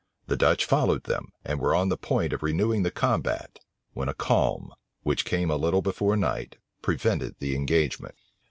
The Dutch followed them, and were on the point of renewing the combat; when a calm, which came a little before night, prevented the engagement.